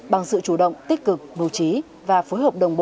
bằng sự chủ động tích cực mưu trí và phối hợp đồng bộ